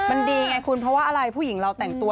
มันดีไงคุณเพราะว่าอะไรผู้หญิงเราแต่งตัว